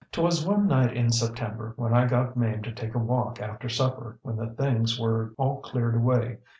ŌĆ£ŌĆÖTwas one night in September when I got Mame to take a walk after supper when the things were all cleared away.